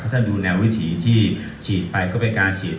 ถ้าท่านดูแนววิธีที่ฉีดไปก็เป็นการฉีด